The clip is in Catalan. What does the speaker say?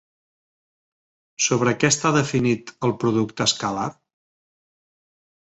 Sobre què està definit el producte escalar?